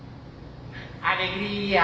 アレグリア。